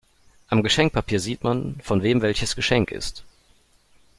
Am Geschenkpapier sieht man, von wem welches Geschenk ist.